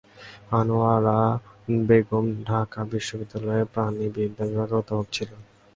আনোয়ারা বেগম ঢাকা বিশ্ববিদ্যালয়ের প্রাণিবিদ্যা বিভাগের অধ্যাপক ছিলেন।